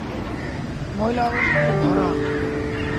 ময়লা আবর্জনায় ভরা।